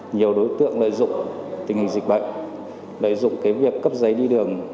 nhiều đối tượng lợi dụng tình hình dịch bệnh lợi dụng việc cấp giấy đi đường